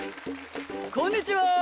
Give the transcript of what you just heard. こんにちは。